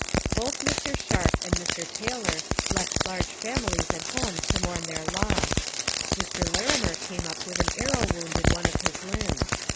Both Mr. Sharp and Mr. Taylor left large families at home to mourn their loss. Mr. Larimer came up with an arrow wound in one of his limbs.